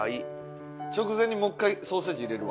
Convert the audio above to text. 直前にもう１回ソーセージ入れるわ。